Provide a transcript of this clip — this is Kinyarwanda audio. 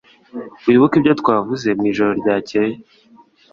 Wibuke ibyo twavuze mwijoro ryakeye